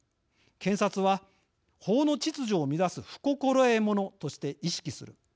検察は、法の秩序を乱す不心得者として意識する。